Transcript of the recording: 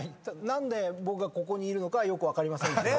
何で僕がここにいるのかよく分かりませんけど。